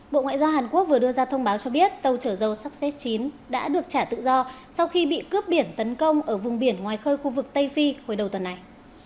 bộ ngoại giao hàn quốc vừa đưa ra thông báo cho biết tàu chở dầu succe chín đã được trả tự do sau khi bị cướp biển tấn công ở vùng biển ngoài khơi khu vực tây phi hồi đầu tuần này